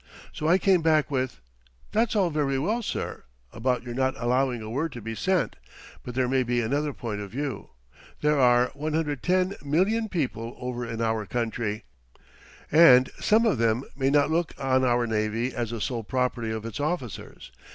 So I came back with: "That's all very well, sir, about your not allowing a word to be sent, but there may be another point of view. There are 110,000,000 people over in our country, and some of them may not look on our navy as the sole property of its officers.